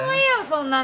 そんなの。